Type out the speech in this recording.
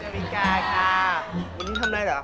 สวัสดีค่ะวันนี้ทำอะไรเหรอ